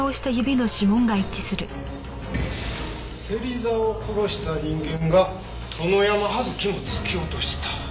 芹沢を殺した人間が殿山葉月も突き落とした？